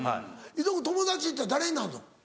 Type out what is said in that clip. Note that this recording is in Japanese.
伊藤君友達っていったら誰になるの？